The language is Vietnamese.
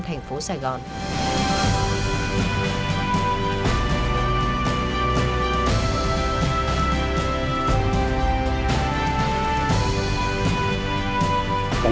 thành phố sài gòn